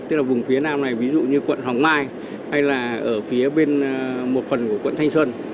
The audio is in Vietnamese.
tức là vùng phía nam này ví dụ như quận hoàng mai hay là ở phía bên một phần của quận thanh xuân